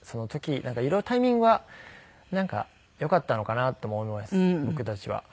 色々タイミングはなんかよかったのかなとも思います僕たちは。